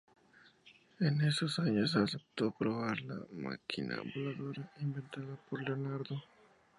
En esos años aceptó probar la "máquina voladora" inventada por Leonardo.